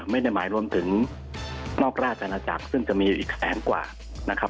ไม่ได้หมายรวมถึงนอกราศนาจักรซึ่งจะมีอีกคะแนนกว่า